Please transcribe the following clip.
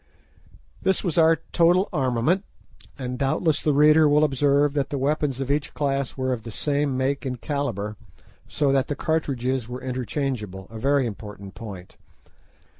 This was our total armament, and doubtless the reader will observe that the weapons of each class were of the same make and calibre, so that the cartridges were interchangeable, a very important point.